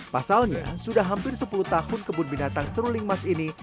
pasalnya sudah hampir sepuluh tahun kebun binatang seruling emas ini